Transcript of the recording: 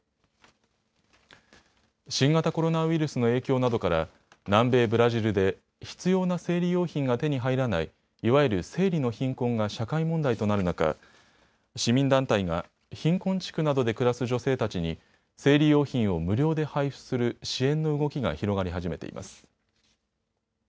新型コロナウイルスの影響などから南米・ブラジルで必要な生理用品が手に入らないいわゆる生理の貧困が社会問題となる中、市民団体が貧困地区などで暮らす女性たちに生理用品を無料で配布する支援の動きが広がり始めています。